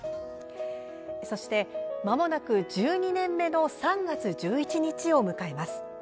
そして、まもなく１２年目の３月１１日を迎えます。